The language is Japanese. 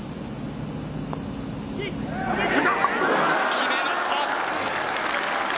決めました。